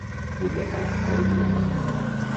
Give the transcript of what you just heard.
Vull anar a El Bruc